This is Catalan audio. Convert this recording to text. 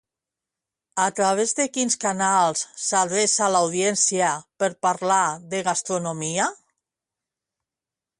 A través de quins canals s'adreça a l'audiència per parlar de gastronomia?